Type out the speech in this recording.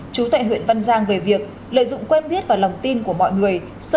chú tại huyện văn giang về việc lợi dụng quen biết và lòng tin của mọi người